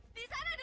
aduh ngerajek suruh